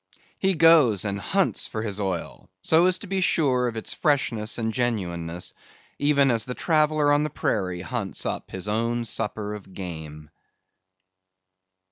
He goes and hunts for his oil, so as to be sure of its freshness and genuineness, even as the traveller on the prairie hunts up his own supper of game.